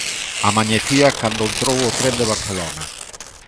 Amañecía cando entrou o tren de Barcelona.